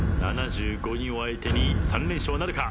７５人を相手に３連勝なるか？